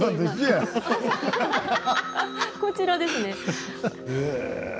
こちらですね。